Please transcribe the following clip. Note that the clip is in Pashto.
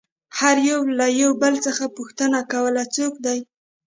هر يوه له بل څخه پوښتنه کوله څوک دى.